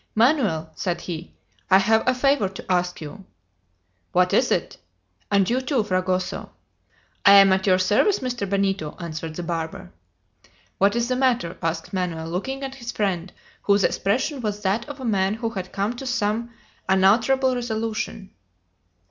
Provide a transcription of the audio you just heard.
"Manoel," said he, "I have a favor to ask you." "What is it?" "And you too, Fragoso." "I am at your service, Mr. Benito," answered the barber. "What is the matter?" asked Manoel, looking at his friend, whose expression was that of a man who had come to some unalterable resolution.